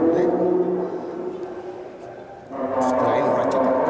masjid masjid tertua di jawa